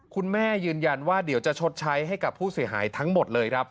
คุณแม่ยืนยันว่าเดี๋ยวจะชดใช้ให้กับผู้เสียหายทั้งหมดเลยครับ